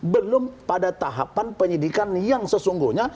belum pada tahapan penyidikan yang sesungguhnya